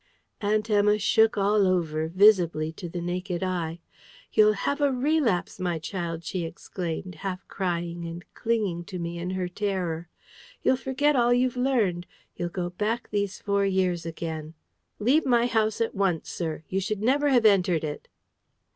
Aunt Emma shook all over, visibly to the naked eye. "You'll have a relapse, my child!" she exclaimed, half crying, and clinging to me in her terror. "You'll forget all you've learned: you'll go back these four years again! Leave my house at once, sir! You should never have entered it!"